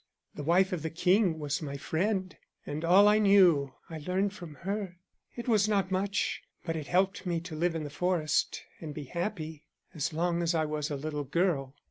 The wife of the king was my friend, and all I knew I learned from her. It was not much, but it helped me to live in the forest and be happy, as long as I was a little girl.